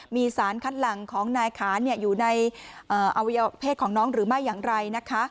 มีสารคัดหลังของนายขานอยู่ในอวัยวะเพศของน้องหรือไม่อย่างไรนะคะ